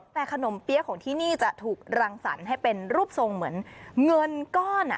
แต่ขนมเปี๊ยะของที่นี่จะถูกรังสรรค์ให้เป็นรูปทรงเหมือนเงินก้อน